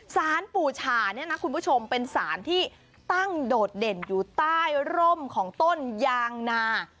สารปู่ฉาเนี่ยนะคุณผู้ชมเป็นสารที่ตั้งโดดเด่นอยู่ใต้ร่มของต้นยางนา